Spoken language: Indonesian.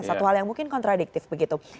satu hal yang mungkin kontradiktif begitu